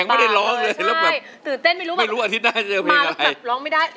ยังไม่ได้ร้องเลยใช่ตื่นเต้นไม่รู้ไม่รู้อาทิตย์หน้าจะเจอเพลงอะไรมาแล้วแบบร้องไม่ได้